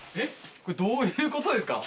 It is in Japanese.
これどういうことですか？